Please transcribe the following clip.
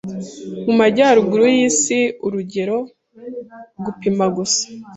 Mu majyaruguru yisi urugero gupima gusa